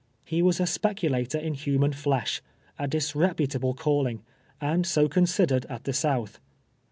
lie was a speculator in hunum flesh — a disreputal)le calling — and so considered at the Smith.